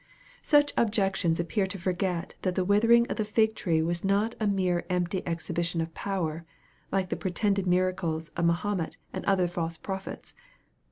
Such objectors appear to forget that the withering of the fig tree wa? not a mere empty exhibition of power, like the pretended miracles of Mahomet and other false prophets.